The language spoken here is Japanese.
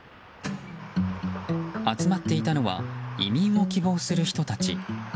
集まっていたのは移民を希望する人たち。